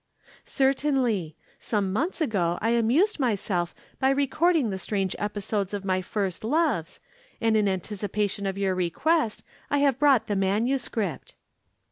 "Certainly. Some months ago I amused myself by recording the strange episodes of my first loves, and in anticipation of your request I have brought the manuscript."